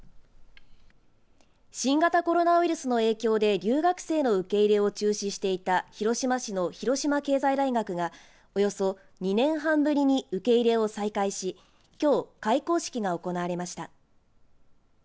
新型コロナウイルスの影響で留学生の受け入れを中止していた広島市の広島経済大学がおよそ２年半ぶりに受け入れを再開しきょう、開講式が行われました。